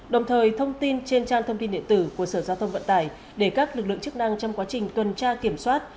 đồng thời thông tin trên trang thông tin điện tử của sở giao thông vận tải để các lực lượng chức năng trong quá trình tuần tra kiểm soát